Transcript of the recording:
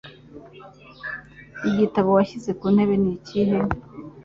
Igitabo washyize ku ntebe ni ikihe?